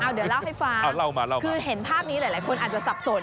เดี๋ยวเล่าให้ฟังคือเห็นภาพนี้หลายคนอาจจะสับสน